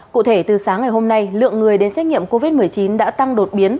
cụ thể từ sáng ngày hôm nay lượng người đến xét nghiệm covid một mươi chín đã tăng đột biến